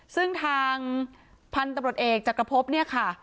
ซึ่งทางพันธุ์ตำรวจเอกจักรพบเนี่ยค่ะ